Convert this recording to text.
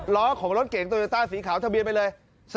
ล้อของรถเก๋งโตโยต้าสีขาวทะเบียนไปเลย